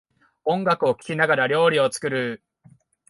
音楽を聴きながら料理を作る